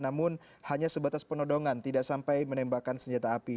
namun hanya sebatas penodongan tidak sampai menembakkan senjata api